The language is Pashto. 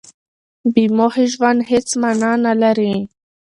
بې موخې ژوند هېڅ مانا نه لري.